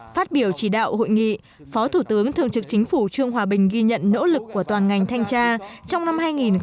phát biểu chỉ đạo hội nghị phó thủ tướng thường trực chính phủ trương hòa bình ghi nhận nỗ lực của toàn ngành thanh tra trong năm hai nghìn một mươi chín